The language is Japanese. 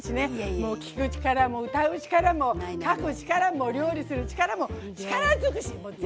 もう聞く力も歌う力も書く力も料理する力も力尽くし！